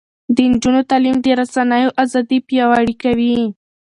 د نجونو تعلیم د رسنیو ازادي پیاوړې کوي.